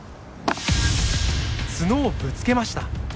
角をぶつけました。